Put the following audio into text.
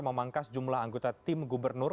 memangkas jumlah anggota tim gubernur